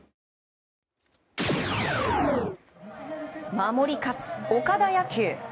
守り勝つ岡田野球。